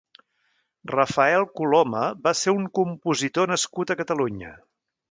Rafael Coloma va ser un compositor nascut a Catalunya.